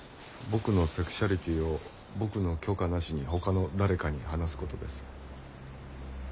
僕のセクシュアリティを僕の許可なしにほかの誰かに話すことです。